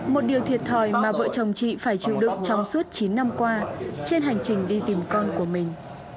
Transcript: một điều thiệt thòi mà vợ chồng chị phải chịu đựng trong suốt chín năm qua trên hành trình đi tìm con của mình